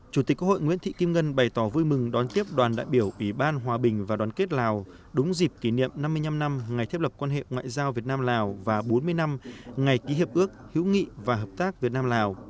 chủ tịch quốc hội nguyễn thị kim ngân bày tỏ vui mừng đón tiếp đoàn đại biểu ủy ban hòa bình và đoàn kết lào đúng dịp kỷ niệm năm mươi năm năm ngày thiết lập quan hệ ngoại giao việt nam lào và bốn mươi năm ngày ký hiệp ước hữu nghị và hợp tác việt nam lào